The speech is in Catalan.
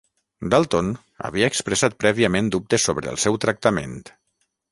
Dalton havia expressat prèviament dubtes sobre el seu tractament.